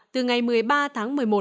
từ ngày một mươi ba tháng một mươi một